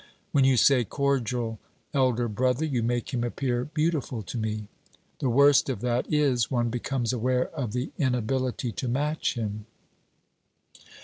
When you say "cordial elder brother," you make him appear beautiful to me. The worst of that is, one becomes aware of the inability to match him.'